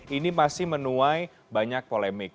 ini masih menuai banyak polemik